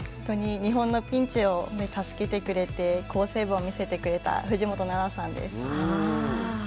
日本のピンチを助けてくれて好セーブを見せてくれた藤本那菜さんです。